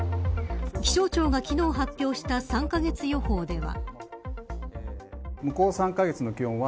気象庁が昨日発表した３カ月予報では。